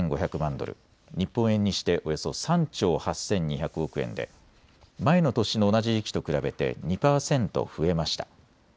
ドル、日本円にしておよそ３兆８２００億円で前の年の同じ時期と比べて２％増えました。